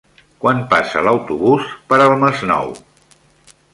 Quan passa l'autobús per el Masnou?